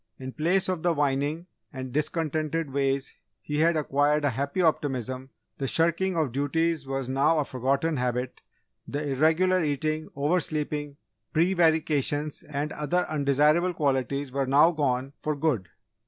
In place of the whining and discontented ways he had acquired a happy optimism; the shirking of duties was now a forgotten habit, the irregular eating, oversleeping, prevarications and other undesirable qualities were now gone for good.